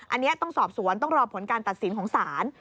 อันนี้ต้องสอบสวนต้องรอผลการตัดสินของศาล